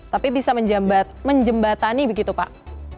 tapi bisa menjembatani begitu pak